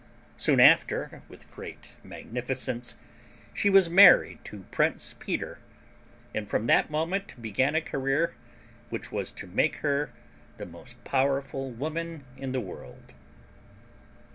Soon after, with great magnificence, she was married to Prince Peter, and from that moment began a career which was to make her the most powerful woman in the world.